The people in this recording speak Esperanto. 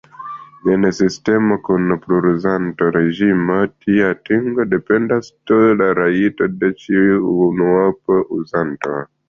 En sistemoj kun pluruzanto-reĝimo, tia atingo dependas de la rajtoj de ĉiu unuopa uzanto.